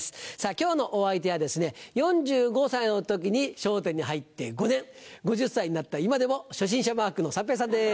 今日のお相手はですね４５歳の時に『笑点』に入って５年５０歳になった今でも初心者マークの三平さんです。